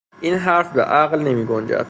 این حرف بعقل نمیگنجد.